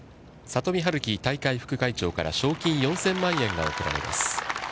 里見治紀大会副会長から賞金４０００万円が贈られます。